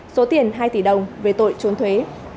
số tiền hai tỷ đồng về tội trốn thuế